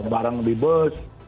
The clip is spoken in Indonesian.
barang di bus